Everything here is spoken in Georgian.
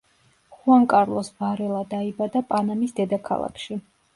ხუან კარლოს ვარელა დაიბადა პანამის დედაქალაქში.